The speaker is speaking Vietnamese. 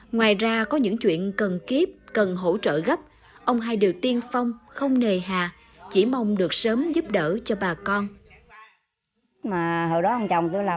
ngoài ra có những chuyện cần kiếp cần hỗ trợ gấp không nề hà chỉ mong được sớm giúp đỡ cho bà con